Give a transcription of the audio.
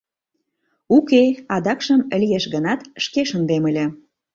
— Уке, адакшым, лиеш гынат, шке шындем ыле...